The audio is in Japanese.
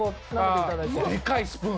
でかいスプーン。